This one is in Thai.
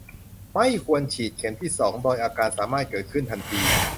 ไม่ควรฉีดเข็มที่ สอง โดยอาการสามารถเกิดขึ้นทันที